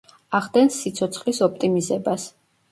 ახდენს სიცოცხლის ოპტიმიზებას.